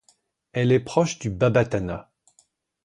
Elle est proche du babatana.